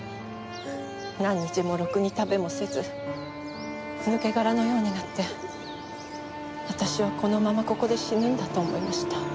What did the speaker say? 何日もろくに食べもせず抜け殻のようになって私はこのままここで死ぬんだと思いました。